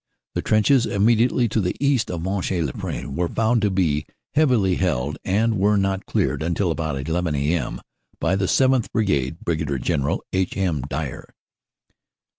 The trenches immediately to the east of Monchy le Preux were found to be heavily held, and were not cleared until about 11 a.m. by the 7th. Brigade (Brig. General H. M. Dyer).